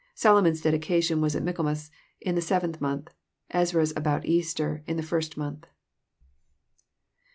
Solomon's dedication was at Michael mas, in the seventh month ; Ezra's about Easter, in the first month.